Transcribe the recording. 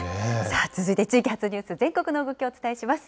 さあ続いて地域発ニュース、全国の動きをお伝えします。